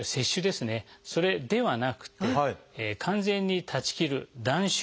それではなくて完全に断ち切る断酒